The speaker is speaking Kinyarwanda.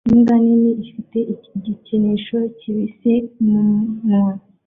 Imbwa nini ifite igikinisho kibisi mumunwa